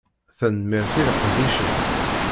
Tanemmirt i leqdic-im